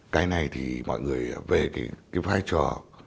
cái này thì mọi người về cái vai trò